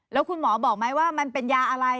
แล้วคุณหมอบอกไหมว่ามันเป็นยาอะไร